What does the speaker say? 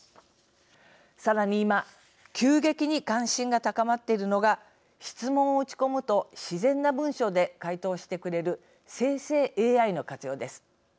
さらに今急激に関心が高まっているのが質問を打ち込むと自然な文章で回答してくれる生成ＡＩの活用です。